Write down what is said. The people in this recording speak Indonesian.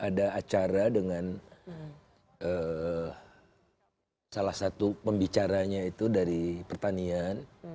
ada acara dengan salah satu pembicaranya itu dari pertanian